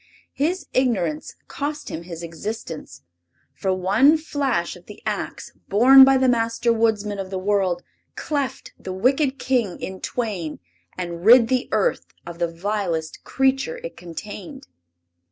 His ignorance cost him his existence, for one flash of the ax borne by the Master Woodsman of the World cleft the wicked King in twain and rid the earth of the vilest creature it contained.